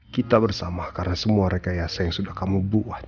kita bersama karena semua rekayasa yang sudah kamu buat